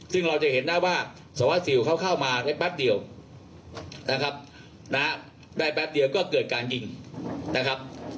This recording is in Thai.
สว่าสิวเข้ามาได้แป๊บเดียวนะครับได้แป๊บเดียวก็เกิดการยิงนะครับ